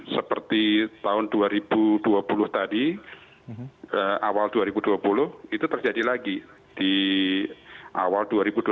seperti tahun dua ribu dua puluh tadi awal dua ribu dua puluh itu terjadi lagi di awal dua ribu dua puluh